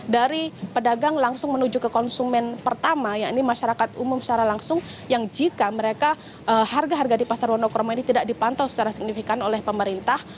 dari pedagang langsung menuju ke konsumen pertama yaitu masyarakat umum secara langsung yang jika mereka harga harga di pasar wonokromo ini tidak dipantau secara signifikan oleh pemerintah